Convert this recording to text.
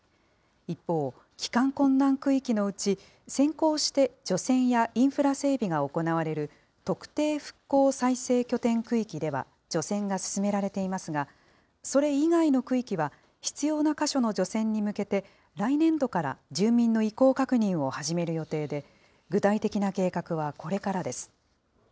一方、帰還困難区域のうち、先行して除染やインフラ整備が行われる特定復興再生拠点区域では、除染が進められていますが、それ以外の区域は、必要な箇所の除染に向けて、来年度から住民の意向確認を始める予定で、具体的な計画はこれからです。